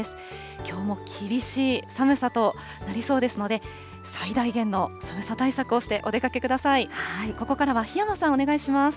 きょうも厳しい寒さとなりそうですので、最大限の寒さ対策をしてお出かけください。